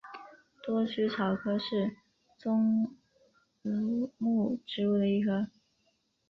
多须草科是棕榈目植物的一科。